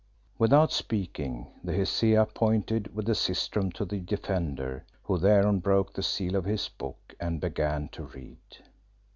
Without speaking, the Hesea pointed with her sistrum to the Defender, who thereon broke the seal of his book and began to read.